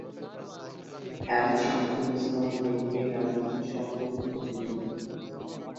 M Shamsul Islam বিএনপির রাজনীতির সঙ্গে যুক্ত ছিলেন।